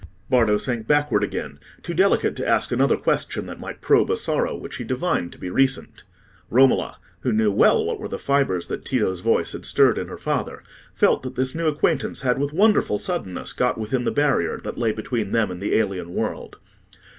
Bardo sank backward again, too delicate to ask another question that might probe a sorrow which he divined to be recent. Romola, who knew well what were the fibres that Tito's voice had stirred in her father, felt that this new acquaintance had with wonderful suddenness got within the barrier that lay between them and the alien world.